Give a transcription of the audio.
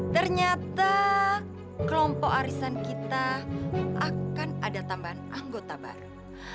ternyata kelompok arisan kita akan ada tambahan anggota baru